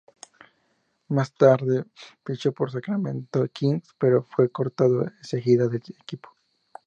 Más tarde fichó por Sacramento Kings pero fue cortado enseguida del equipo.